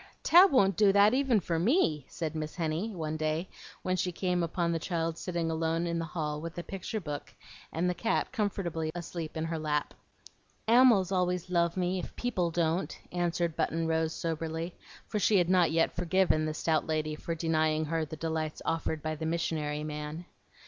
Tab won't do that even for me," said Miss Henny, one day when she came upon the child sitting alone in the hall with a picture book and the cat comfortably asleep in her lap. "Ammals always love me, if people don't," answered Button Rose, soberly; for she had not yet forgiven the stout lady for denying her the delights offered by the "missionary man."